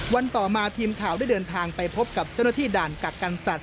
ต่อมาทีมข่าวได้เดินทางไปพบกับเจ้าหน้าที่ด่านกักกันสัตว